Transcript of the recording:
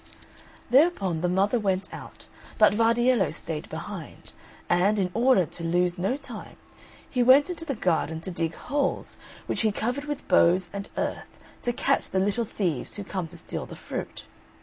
Thereupon the mother went out, but Vardiello stayed behind; and, in order to lose no time, he went into the garden to dig holes, which he covered with boughs and earth, to catch the little thieves who come to steal the fruit.